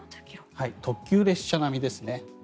特急列車並みですね。